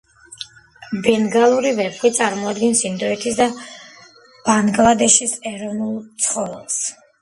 ბენგალური ვეფხვი წარმოადგენს ინდოეთის და ბანგლადეშის ეროვნულ ცხოველს.